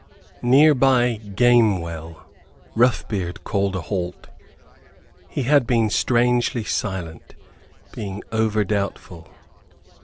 Near by Gamewell, Roughbeard called a halt. He had been strangely silent, being over doubtful.